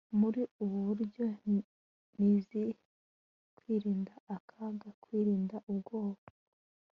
muri ubu buryo. nize kwirinda akaga, kwirinda ubwoba